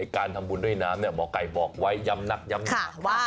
การทำบุญด้วยน้ำหมอไก่บอกไว้ย้ำนักย้ำว่า